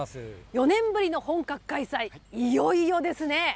４年ぶりの本格開催、いよいよですね。